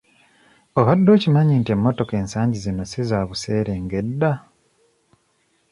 Obadde okimanyi nti emmotoka ensangi zino si za buseere nga edda?